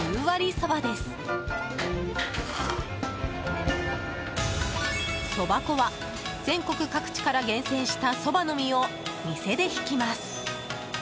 そば粉は全国各地から厳選したソバの実を店でひきます。